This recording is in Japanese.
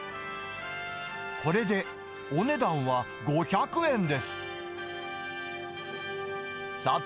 これでお値段は５００円です。